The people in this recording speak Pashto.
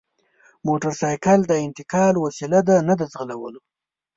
موټرسایکل د انتقال وسیله ده نه د ځغلولو!